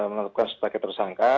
melakukan sebagai tersangka